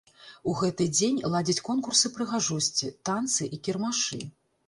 У гэты дзень ладзяць конкурсы прыгажосці, танцы і кірмашы.